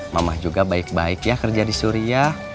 mama juga baik baik ya kerja di suria